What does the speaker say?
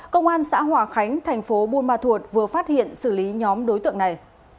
công an xã hòa khánh thành phố buôn ma thuột vừa phát hiện xử lý nhóm đối tượng này